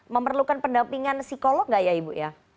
memerlukan pendampingan psikolog nggak ya ibu ya